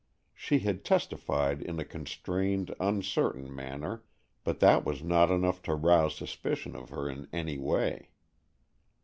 She had testified in a constrained, uncertain manner, but that was not enough to rouse suspicion of her in any way.